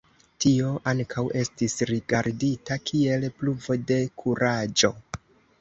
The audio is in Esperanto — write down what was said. Tio ankaŭ estis rigardita kiel pruvo de kuraĝo.